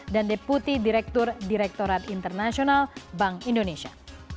dan deputi direktur direktorat internasional bank indonesia